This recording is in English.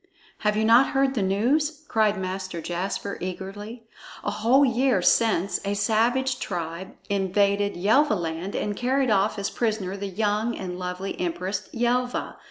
"Have you not heard the news?" cried Master Jasper eagerly. "A whole year since, a savage tribe invaded Yelvaland and carried off as prisoner the young and lovely Empress Yelva.